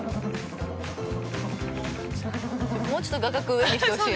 もうちょっと画角上にしてほしい。